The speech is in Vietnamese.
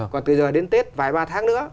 còn từ giờ đến tết vài ba tháng nữa